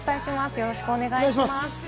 よろしくお願いします。